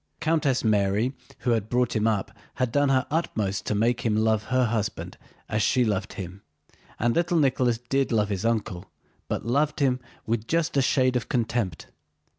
Countess Mary who had brought him up had done her utmost to make him love her husband as she loved him, and little Nicholas did love his uncle, but loved him with just a shade of contempt.